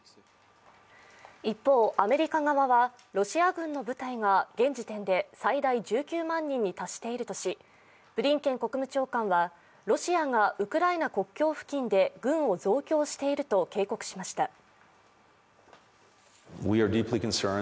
一方、アメリカ側はロシア軍の部隊が現時点で最大１９万人に達しているとしブリンケン国務長官は、ロシアがウクライナ国境付近で軍を増強していると警告しました。